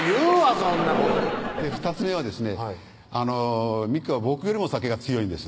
そんなん２つ目はですね美紀は僕よりも酒が強いんです